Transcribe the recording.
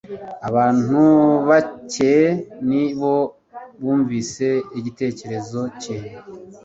abantu bake ni bo bumvise igitekerezo cye